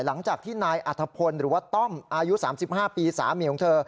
หลังจากที่นายอัธพลหรือว่าต้อมอายุ๓๕ปีสามีของเธอ